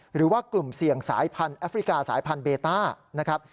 หรือว่ากลุ่มเสี่ยงสายพันธุ์แอฟริกาสายพันธุเบต้านะครับ